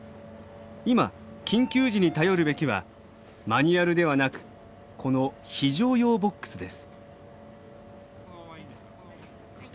今緊急時に頼るべきはマニュアルではなくこの「非常用ボックス」です。